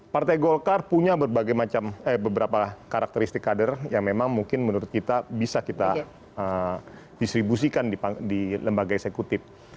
partai golkar punya beberapa karakteristik kader yang memang mungkin menurut kita bisa kita distribusikan di lembaga eksekutif